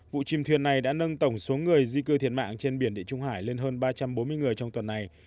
vụ chìm thuyền này đã nâng tổng số người di cư thiệt mạng trên biển địa trung hải lên hơn ba trăm bốn mươi người trong tuần này